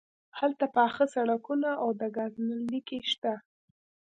هلته پاخه سړکونه او د ګاز نل لیکې شته